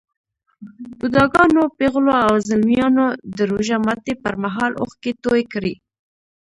بوډاګانو، پېغلو او ځلمیانو د روژه ماتي پر مهال اوښکې توی کړې.